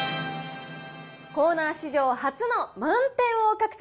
コーナー史上初の満点を獲得。